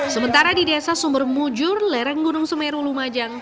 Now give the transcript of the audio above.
sementara di desa sumber mujur lereng gunung semeru lumajang